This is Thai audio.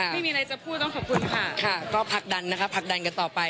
ไม่มีอะไรจะพูดต้องขอบคุณค่ะค่ะก็ผลักดันนะคะผลักดันกันต่อไป